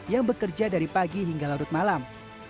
yang bekerja dari pagi hingga larut malam